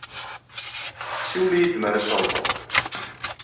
Siwel-iyi-d mar ad taweḍeḍ.